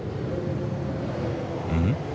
うん？